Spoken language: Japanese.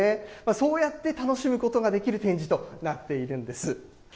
そうやって楽しむことができる展示となっているんです。